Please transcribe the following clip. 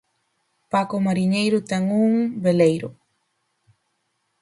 Paco Mariñeiro ten un... veleiro!